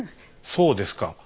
そうですか。